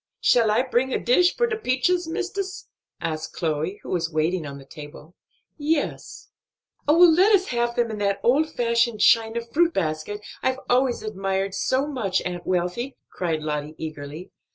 "Shall I bring a dish for de peaches, mistis?" asked Chloe, who was waiting on the table. "Yes." "Oh, let us have them in that old fashioned china fruit basket I've always admired so much, Aunt Wealthy!" cried Lottie eagerly.